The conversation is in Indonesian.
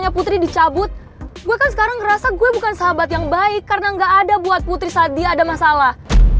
putri dicabut gue kan sekarang ngerasa gue bukan sahabat yang baik karena gak ada buat putri sadi ada masalah